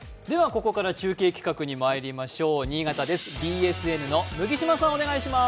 ここから中継企画にまいりましょう、新潟です。